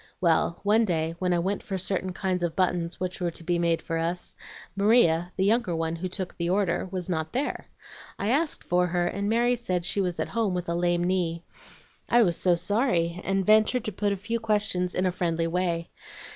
Well, one day when I went for certain kinds of buttons which were to be made for us, Maria, the younger one, who took the order, was not there. I asked for her, and Mary said she was at home with a lame knee. I was so sorry, and ventured to put a few questions in a friendly way.